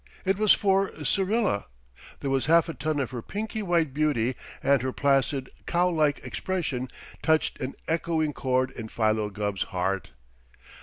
It was for Syrilla. There was half a ton of her pinky white beauty, and her placid, cow like expression touched an echoing chord in Philo Gubb's heart.